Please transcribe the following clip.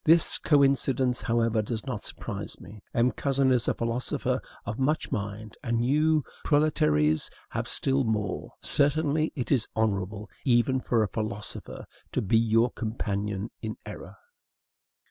This coincidence, however, does not surprise me. M. Cousin is a philosopher of much mind, and you, proletaires, have still more. Certainly it is honorable, even for a philosopher, to be your companion in error.